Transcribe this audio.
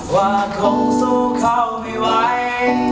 ว่าคงสู้เข้าไม่ไหว